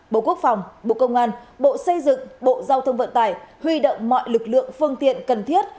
bộ quốc phòng bộ công an bộ xây dựng bộ giao thông vận tải huy động mọi lực lượng phương tiện cần thiết